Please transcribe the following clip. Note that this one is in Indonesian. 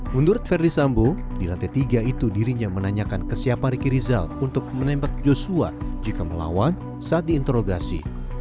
menurut verdi sambo di lantai tiga itu dirinya menanyakan ke siapa riki rizal untuk menembak joshua jika melawan saat diinterogasi